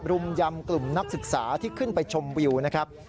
รุมยำกลุ่มนักศึกษาที่ขึ้นไปชมวิวนะครับ